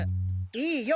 いいよ。